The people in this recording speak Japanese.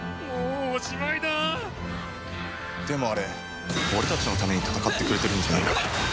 でもあれ俺たちのために戦ってくれてるんじゃないか？